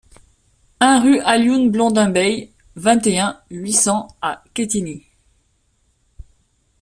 un rue Alioune Blondin Beye, vingt et un, huit cents à Quetigny